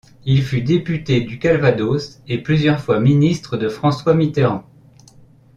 Il fut député du Calvados et plusieurs fois ministre de François Mitterrand.